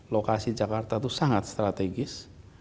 lokasi jakarta itu sangat strategis